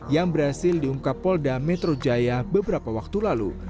yang berhasil diungkap polda metro jaya beberapa waktu lalu